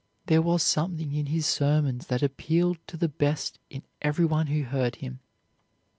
There was something in his sermons that appealed to the best in everyone who heard him.